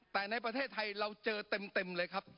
แต่ในประเทศไทยเราเจอเต็มเลยครับ